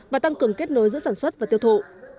và tăng cường kết nối giữa sản xuất và tiêu thụ